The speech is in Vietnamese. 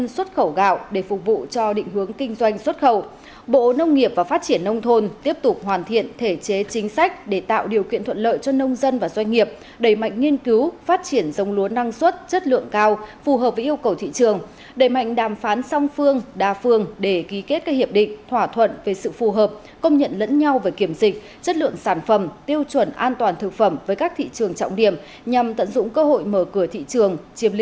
xuất khẩu gạo để phục vụ cho định hướng kinh doanh xuất khẩu bộ nông nghiệp và phát triển nông thôn tiếp tục hoàn thiện thể chế chính sách để tạo điều kiện thuận lợi cho nông dân và doanh nghiệp đầy mạnh nghiên cứu phát triển dòng lúa năng suất chất lượng cao phù hợp với yêu cầu thị trường đầy mạnh đàm phán song phương đa phương để ký kết các hiệp định thỏa thuận về sự phù hợp công nhận lẫn nhau về kiểm dịch chất lượng sản phẩm tiêu chuẩn an toàn thực phẩm với các thị trường trọng điểm nhằm tận dụng